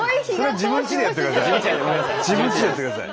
自分ちでやってください。